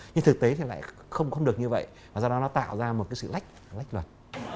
nhưng thực tế thì lại không được như vậy và do đó nó tạo ra một sự lách luật